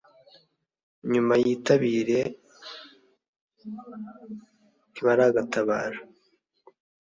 Inyuma y'Itabire ntibaragatabara.